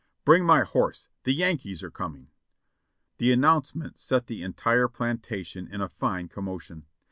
"Bring my horse; the Yankees are coming!" The announcement set the entire plantation in a fine commo tion.